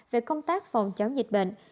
về công tác phòng chống dịch bệnh